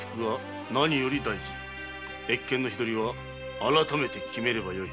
謁見の日取りは改めて決めればよい。